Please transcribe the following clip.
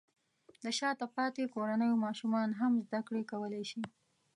د شاته پاتې کورنیو ماشومان هم زده کړې کولی شي.